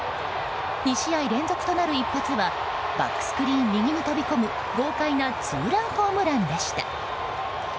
２試合連続となる一発はバックスクリーン右に飛び込む豪快なツーランホームランでした。